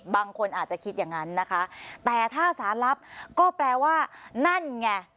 บางคนอาจจะคิดอย่างนั้นนะคะแต่ถ้าสารรับก็แปลว่านั่นไง